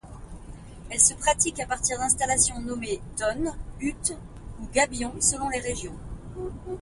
Elle se pratique à partir d'installations nommées tonnes, huttes ou gabions selon les régions.